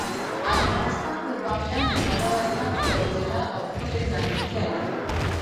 افغانستان د بامیان د پلوه ځانته یوه جلا او ښکلې ځانګړتیا لري.